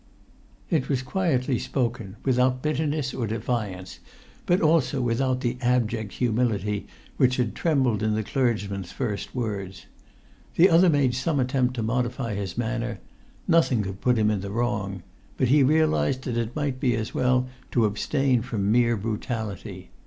It was quietly spoken, without bitterness or defiance, but also without the abject humility which had trembled in the clergyman's first words. The other made some attempt to modify his manner: nothing could put him in the wrong, but he realised that it might be as well to abstain from mere brutality.